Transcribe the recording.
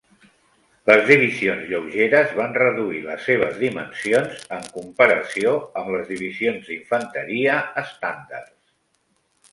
Les divisions lleugeres van reduir les seves dimensions en comparació amb les divisions d'infanteria estàndards.